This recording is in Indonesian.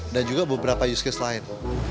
dan juga beberapa use case lain